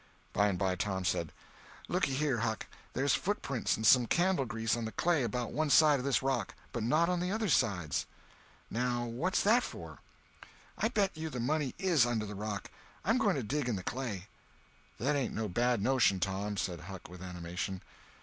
By and by Tom said: "Lookyhere, Huck, there's footprints and some candle grease on the clay about one side of this rock, but not on the other sides. Now, what's that for? I bet you the money is under the rock. I'm going to dig in the clay." "That ain't no bad notion, Tom!" said Huck with animation.